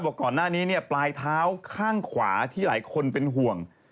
ก่อนหน้านี้เนี่ยปลายเท้าข้างขวาที่หลายคนเป็นห่วง